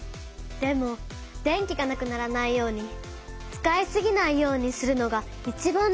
でも電気がなくならないように使いすぎないようにするのがいちばん大事なのよ。